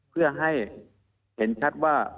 เพื่อให้เห็นชัดว่า